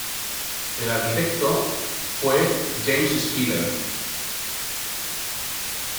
El arquitecto fue James Spiller.